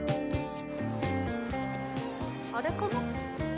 あれかな？